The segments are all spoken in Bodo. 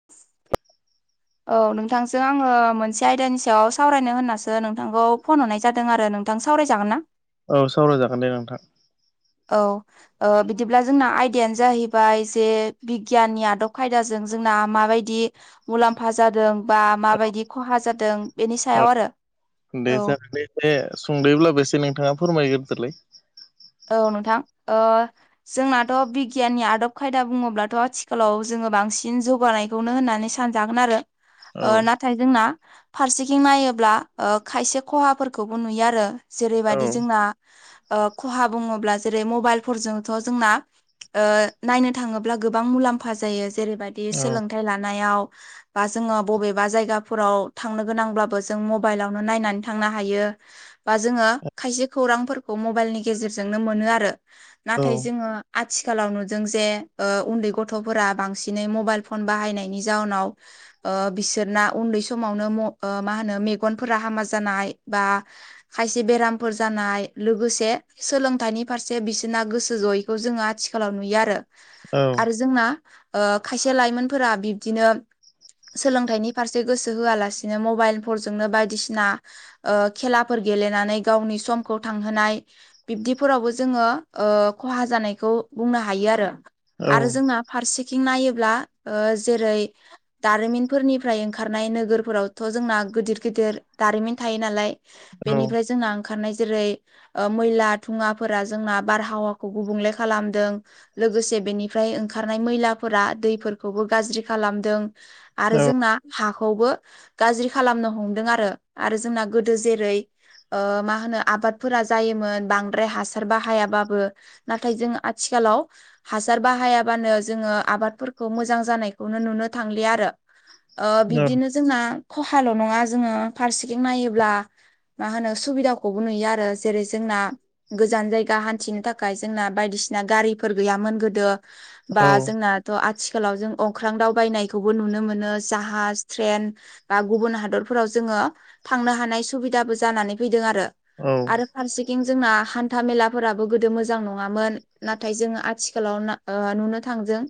[inaudible] औ नोंथांजों आङो मोनसे आयदानि सायाव सावरायनो होननासो नोंथांखौ फन हरनाय जादों आरो नोंथां सावरायजागोन ना औ सावरायजागोन दे नोंथां औ बिदिब्ला जोंना आयदायानो जाहैबाय जे बिगियाननि आदब खायदाजों जोंना माबायदि मुलाम्फा जादों बा माबायदि खहा जादों बेनि सायाव आरो औ बे सुंदैब्लाबो एसे नोंथाङा फोरमायगोरदोलाय औ नोंथां जोंनाथ' बिगियाननि आदब खायदा बुङोब्लाथ' आथिखालाव जोङो बांसिन जौगानाय बेखौनो होननानै सानजागोन आरो औ नाथाय जोंना फारसेथिं नायोब्ला ओ खायसे खहाफोरखौबो नुयो आरो औ जेरैबायदि जोंना ओ खहा बुङोब्ला जेरै मबाइलफोरजोंथ' जोंना ओ नायनो थाङोब्ला गोबां मुलाम्फा जायो जेरैबादि औ सोलोंथाइ लानायाव बा जोङो बबेबा जायगाफोराव थांनो गोनांब्लाबो जों मबाइलावनो नायनानै थांनो हायो। बा जोङो खायसे खौरांफोरखौ मबाइलनि गेजेरजोंनो मोनो आरो औ नाथाय जोङो आथिखालाव नुदों जे ओ उन्दै गथ'फोरा बांसिनै मबाइल फन बाहायनायनि जाउनाव ओ बिसोरना उन्दै समावनो म ओ मा होनो मेगनफोरा हामा जानाय बा खायसे बेरामफोर जानाय लोगोसे सोलोंथाइनि फारसे बिसोरना गोसो जयैखौ जोङो आथिखालाव नुयो आरो औ आरो जोंना ओ खायसे लाइमोनफोरा बिब्दिनो सोलोंथाइनि फारसे गोसो होआलासिनो मबाइलफोरजोंनो बायदिसिना ओ खेलाफोर गेलेनानै गावनि समखौ थांहोनाय बिब्दिफोरावबो जोङो खहा जानायखौ बुंनो हायो आरो औ आरो जोंना फारसेथिं नायोब्ला ओ जेरै दारिमिनफोरनिफ्राय ओंखारनाय नोगोरफोरावथ' जोंना गिदिर गिदिर दारिमिन थायो नालाय बेनिफ्राय जोंना ओंखारनाय जेरै ओ मैला धुङाफोरा जोंना बारहावाखौ गुबुंले खालामदों लोगोसे बेनिफ्राय ओंखारनाय मैलाफोरा दैफोरखौबो गाज्रि खालामदों आरो औ जोंना हाखौबो गाज्रि खालामनो हमदों आरो आरो जोंना गोदो जेरै ओ मा होनो आबादफोरा जायोमोन बां [unintelligible] द्राय हासार बाहायाबाबो नाथाय जों आथिखालाव हासार बाहायाबानो जोङो आबादफोरखौ मोजां जानायखौनो नुनो थांलिया आरो ओ बिब्दिनो जोंना खहाल' नङा जोङो फारसेथिं नायोब्ला मा होनो सुबिदाखौबो नुयो आरो जेरै जोंना गोजान जायगा हान्थिनो थाखाय जोंना बायदिसिना गारिफोर गैयामोन गोदो बा औ जोंना थ' आथिखालाव जों अंख्रां दावबायनायखौबो नुनो मोनो जाहाज ट्रेन बा गुबुन हादरफोराव जोङो थांनो हानाय सुबिदाबो जानानै फैदों आरो। औ आरो फारसेथिं जोंना हान्था मेलाफोराबो गोदो मोजां नङामोन नाथाय जोङो आथिखालाव ना ओ नुनो थांदों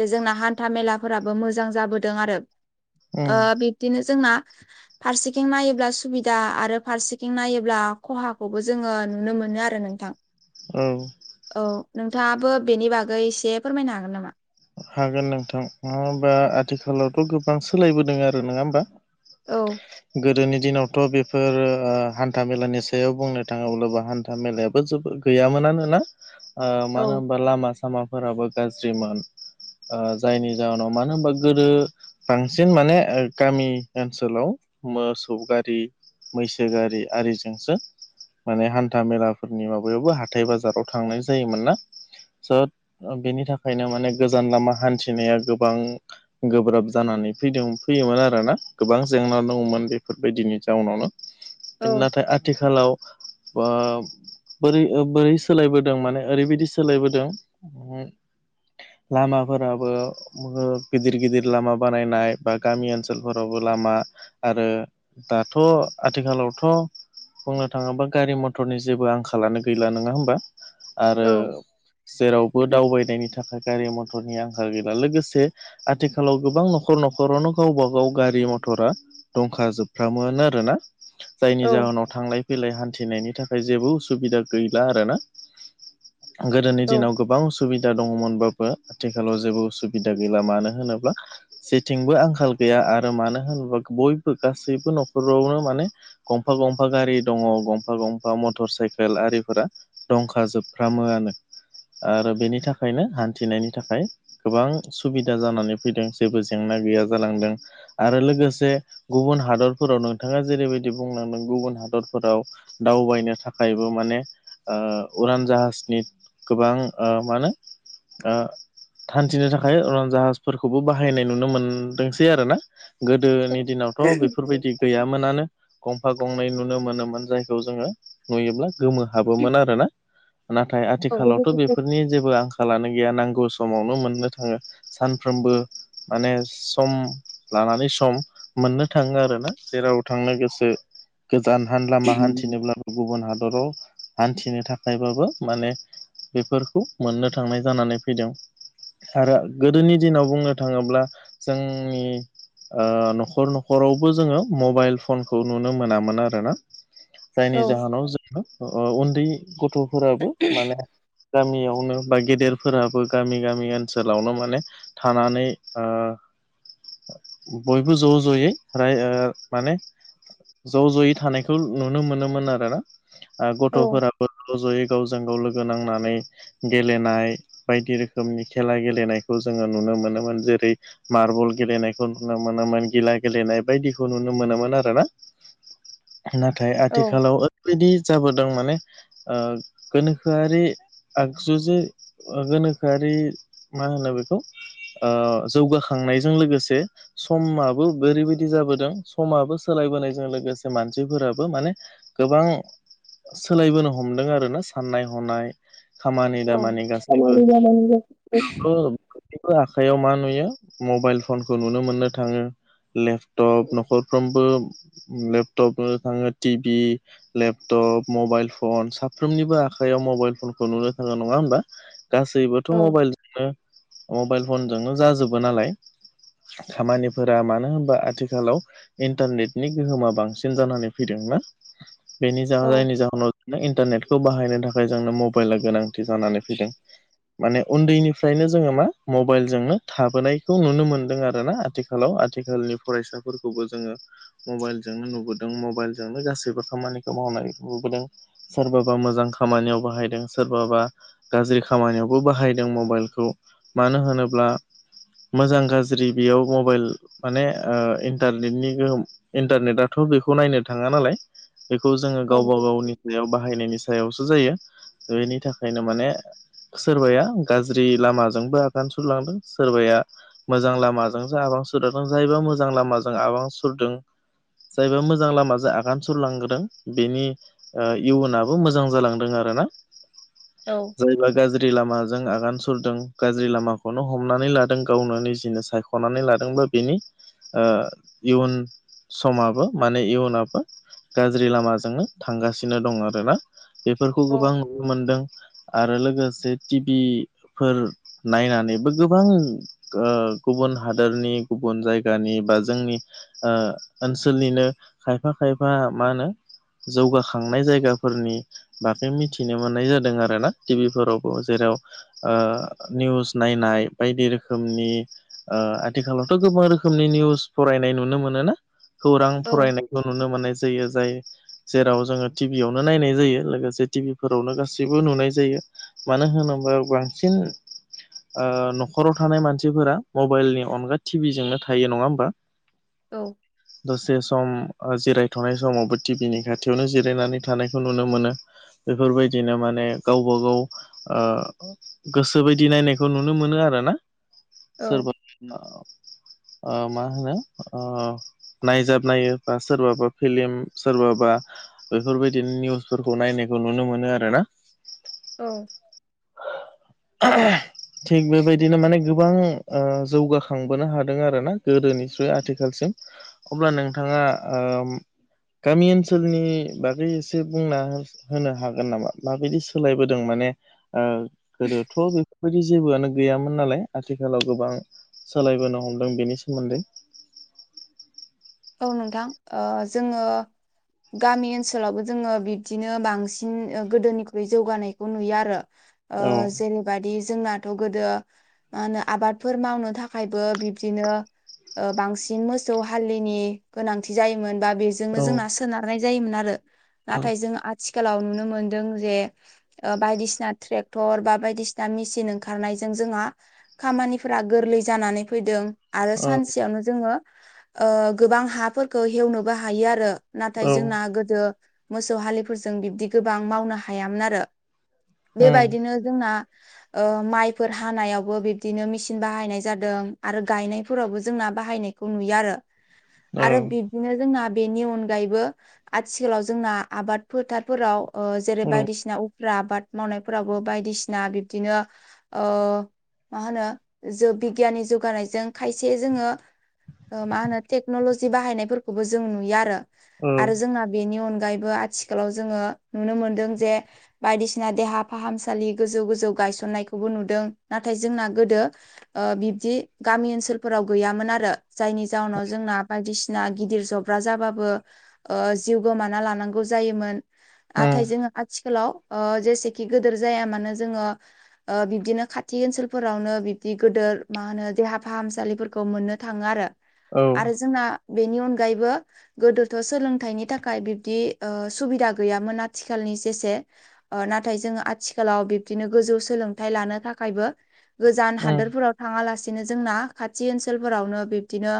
जे जोंना हान्था मेलाफोराबो मोजां जाबोदों आरो ओ उम बिब्दिनो जोंना फारसेथिं नायोब्ला सुबिदा आरो फारसेथिं नायोब्ला खहाखौबो जोङो नुनो मोनो आरो नोंथां औ औ नोंथाङाबो बेनि बागै इसे फोरमायनो हागोन नामा? हागोन नोंथां मानो होमबा आथिखालावथ' गोबां सोलायबोदों आरो नङा होमबा औ गोदोनि दिनावथ' बेफोर ओ हान्था मेलानि सायाव बुंनो थाङोब्लाबो हान्था मेलायाबो जोबोद गैयामोनानो ना ओ औ मानो होनबा लामा सामाफोराबो गाज्रिमोन ओ जायनि जाहोनाव मानो होनबा गोदो बांसिन माने ओ गामि ओनसोलाव मोसौ गारि मैसो गारि आरिजोंसो माने हान्था मेलाफोरनि माबायावबो हाथाय बाजाराव थांनाय जायोमोन ना स' ओ बेनि थाखायनो माने गोजान लामा हान्थिनाया गोबां गोब्राब जानानै फैदों फैयोमोन आरोना गोबां जेंना दङमोन बेफोरबायदिनि जाउनावनो औ नाथाय आथिखालाव ओ बोरै ओ बोरै सोलायबोदों माने ओरैबायदि सोलायबोदों लामाफोराबो गिदिर गिदिर लामा बानायनाय बा गामि ओनसोलफोरावबो लामा आरो दाथ' आथिखालावथ' बुंनो थाङोब्ला गारि मथरनि जेबो आंखालानो गैला नङा होमबा औ आरो जेरावबो दावबायनायनि नि थाखाय गारि मटरनि आंखाल गैला लोगोसे आथिखालाव गोबां न'खर न'खरावनो गावबा गाव गारि मथरा दंखा जोबफ्रामोनो आरो ना जायनि औ जाहोनाव थांलाय फैलाय हान्थिनायनि थाखाय जेबो उसुबिदा गैला आरोना गोदोनि औ दिनाव गोबां सुबिदा दङमोनबाबो आथिखालाव जेबो उसुबिदा गैला मानो होनोब्ला जेथिंबो आंखाल गैया आरो मानो होनोबा बयबो गासैबो न'खरावनो माने गंफा गंफा गारि दङ गंफा गंफा मटर साइकेल आरिफोरा दंखाजोबफ्रामोआनो आरो बेनि थाखाय बेनिखायनो हान्थिनायनि थाखाय गोबां सुबिदा जानानै फैदों जेबो जेंना गैया जालांदों आरो लोगोसे गुबुन हादरफोराव नोंथाङा जेरैबायदि बुंलांदों गुबुन हादरफोराव दावबायनो थाखायबो माने ओ उरान जाहाजनि गोबां ओ मा होनो ओ हान्थिनो थाखाय उरां जाहाजफोरखौबो बाहायनाय नुनो मोनदोंसै आरोना गोदोनि दिनावथ' बेफोरबायदि गैयामोनानो गंफा गंनै नुनो मोनोमोन जायखौ जोङो नुयोब्ला गोमो हाबोमोन आरो ना नाथाय औ आथिखालावथ' बेफोरनि जेबो आं आंखालानो गैया नांगौ समावनो मोननो थाङो सानफ्रोमबो माने सम लानानै सम मोननो थाङो आरोना जेराव थांनो गोसो गोजान हान लामा हान्थिनोब्लाबो गुबुन हादराव हान्थिनो थाखायबाबो माने बेफोरखौ मोननो थांनाय जानानै फैदों आरो गोदोनि दिनाव बुंनो थाङोब्ला जोंनि ओ न'खर न'खरावबो जोङो मबाइल फनखौ नुनो मोनामोन आरो ना जायनि औ जाहोनाव जोङो ओ उन्दै गथ'फोराबो माने गामियावनो बा गेदेरफोराबो गामि गामि ओनसोलावनो माने थानानै ओ बयबो ज' ज'यै राय ओ माने ज' ज'यै थानायखौ नुनो मोनोमोन आरोना ओ औ गथ'फोराबो ज' ज'यै गावजों गाव लोगो नांनानै गेलेनाय बायदि रोखोमनि खेला गेलेनायखौ जोङो नुनो मोनोमोन जेरै मारबल गेलेनायखौ नुनो मोनोमोन गिला गेलेनाय बायदिखौ नुनो मोनोमोन आरो ना [inaudible] नाथाय आथिखालाव ओरैबायदि जाबोदों माने ओ गोनोखोआरि जुजे ओ गोनोखोआरि मा होनो बेखौ ओ जौगाखांनायजों लोगोसे समाबो ओरैबादि जाबोदों समाबो सोलायबोनायजों लोगोसे मानसिफोराबो माने गोबां सोलायबोनो हमदों आरो ना साननाय हनाय खामानि औ दामानि गासिबो नोंखो बेफोर आखायाव मा नुयो मबाइल फनखौ नुनो मोननो थाङो लेपटप न'खरफ्रोमबो लेपटपनो थाङो टिभि लेपटप मबाइल फन साफ्रोमनिबो आखाइयाव मबाइलफोर खौ नुनो थाङो नङा होमबा गासैबोथ' मबाइल मोनो मबाइल फनजोंनो जाजोबो नालाय खामानिफोरा मानो होनबा आथिखालाव इन्टारनेटनि गोहोमा बांसिन जानानै फैदों ना बेनि जा जायनि जाहोनाव इन्टारनेटखौ बाहायनो थाखाय जोंनो मबाइला गोनां थि जानानै फैदों माने उन्दैनिफ्रायनो जोङो मा मबाइलजोंनो थाबोनायखौ नुनो मोनदों आरो ना आथिखालाव आथिखालनि फरायसाफोरखौबो जोङो हो मबाइलजोंनो नुबोदों मबाइलजोंनो गासैबो खामानिखौ मावनाय नुबोदों सोरबाबा मोजां खामानिआव बाहायदों सोरबाबा गाज्रि खामानिआवबो बाहायदों मबाइलखौ मानो होनोब्ला मोजां गाज्रि बेयाव मबाइल माने ओ इन्टारनेटनि गोहोम इन्टारनेटआथ' बेखौ नायनो थाङा नालाय बेखौ जोङो गावबा गावनि सायाव बाहायनायनि सायावसो जायो बेनि थाखायनो माने सोरबाया गाज्रि लामाजोंबो आगान सुरलांदों सोरबाया मोजां लामाजोंसो आबां सुरदों जायबा मोजां लामाजों आबां सुरदों जायबा मोजां लामाजों आगान सुरलांगोदों बेनि ओ‌ इयुनाबो मोजां जालांदों आरो ना औ जायबा गाज्रि लामाजों आगान सुरदों गाज्रि लामाखौनो हमनानै लादों गावनो निजिनो सायख' हनानै लादोंबा बेनि इयुन ओ समाबो माने इयुनाबो गाज्रि लामाजोंनो थांगासिनो दङ आरोना बेफोरखौ गोबां नुदों आरो लोगोसे टिभिफोर नायनानैबो गोबां ओ‌ गुबुन हादोरनि गुबुन जायगानि बा जोंनि ओ ओनसोलनिनो खायफा खायफा मा होनो जौगाखांनाय जायगाफोरनि बागै मि मिथिनो मोननाय जादों आरो ना टि भि फोरावबो जेराव ओ निउस नायनाय बायदि रोखोमनि ओ आथिखालावथ' गोबां रोखोमनि निउस फरायनाय नुनो मोनो ना खौरां फरायनायखौ नुनो मोननाय जायो जाय जेराव जोंङो टिभियावनो नाय जायो लोगोसे टिभि फोरावनो गासैबो नुनाय जायो मानो होनोबा बांसिन न'खराव थानाय मानसिफोरा मबाइलनि अनगा टिभिजोंनो थायो नंङा होमबा औ दसे सम जिरायथ'नाय समावबो टिभिनि खाथियावनो जिरायनानै थानायखौ नुनो मोनो बेफोरबायदिनो माने गाव बागाव गोसो बायदि नायनायखौ नुनो मोनो आरो ना सोरबा मा होनो नायजाब नायो बा सोरबाबा फिलिम सोरबाबा बेफोरबायदिनो निउसफोरखौ नायनायखौ नुनो मोनो आरो ना औ [inaudible] थिग बेबायदिनो माने गोबां जौगाखांबोनो हादों आरोना गोदोनिफ्राय्रुय आथिखालसिम अब्ला नोंथांङा गामि ओनसोलनि बागै एसे बुंना होनो हागोन नामा माबायदि सोलायबोदों माने गोदोथ' बे बेफोरबायदि जेबोआनो गैयामोन नालाय आथिखालाव गोबां सोलायबोनो हमदों बेनि सोमोन्दै औ नोंथां जोंङो गामि ओनसोलावबो जोंङो बिबदिनो बांसिन गोदोनिख्रुइ जौगानायखौ नुयो आरो ओ औ जेनेबा बेबादि जोंनाथ' गोदो मा होनो आबादफोर मावनो थाखायबो बिब्दिनो बांसिन मोसौ हालि गोनां जायोमोन बा बेजोंनो औ जोंना सोनारनाय जायोमोन आरो ना औ जों आथिखालाव नुनो मोनदों जे बायदिसिना ट्रेक्टर बा बायदिसिना मेसिन ओंखारनायजों जोंहा खामानिफोरा गोरलै जानानै फैदों आरो सानसेयावनो जोंङो गोबां हाफोरखौ हेवनोबो हायो आरो नाथाय औ जोंना गोदो मोसौ हलिफोरजों बिब्दि गोबां मावनो हायामोन आरो उम बेबायदिनो जोंना माइफोर हानायावबो बिब्दिनो मेसिन बाहायनाय जादों आरो गायनायफोरावबो जोंना बाहायनाय बेखौ नुयो आरो औ आरो बिब्दिनो जोंना बेनि अनगायैबो आथिखालाव जोंना आबाद फोथारफोराव जेरै औ बायदिसिना उफ्रा आबाद मावनायफोरावबो बायदिसिना बिब्दिनो मा होनो ज बिगियाननि जौगानायजों खायसे जोंङो मा होनो टेक्नलजि बाहायनायफोरखौबो जों नुयो आरो औ आरो जोंना बेनि अनगायैबो आथिखालाव जोंङो नुनो मोनदों जे बायदिसिना देहा फाहामसालि गोजौ गोजौ गायसननायखौबो नुदों नाथाय जोंना गोदो बिब्दि गामि ओनसोलफोराव गैयामोन आरो जायनि जाउनाव जोंना बायदिसिना बिसिना गिदिर जब्रा जाबाबो जिउ गोमाना लानांगौ जायोमोन उम नाथाय जोंङो आथिखालाव जेसेखि गिदोर जाया मानो जोंङो। बिब्दिनो खाथि ओनसोलफोरावनो बिबदि गिदिर मा होनो देहा फाहामसालिफोरखौ मोननो थांङो आरो औ आरो जोंना बेनि अनगायैबो गोदोथ' सोलोंथाइनि थाखाय बिब्दि सुबिदा गैयामोन आथिखालनि जेसे नाथाय जोंङो आथिखालाव बिब्दिनो गोजौ सोलोंथाइ लानो थाखायबो गोजान उम हादोरफोराव थाङांलासिनो जोंना खाथि ओनसोलफोरावनो बिब्दिनो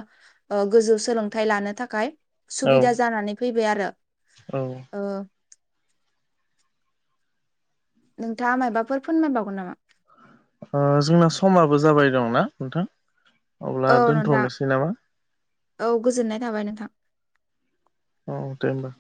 गोजौ सोलोंथाइ लानो थाखाय औ सुबिदा जानानै फैबाय आरो औ नोंथांङा मायबाफोर फोरनमायबावगोन नामा? जोंना समाबो जाबाय दंना नोंथां अब्ला औ नोंथां दोनथ'नोसै नामा औ गोजोननाय थाबाय नोंथां औ दे होनबा